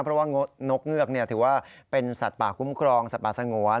เพราะว่านกเงือกถือว่าเป็นสัตว์ป่าคุ้มครองสัตว์ป่าสงวน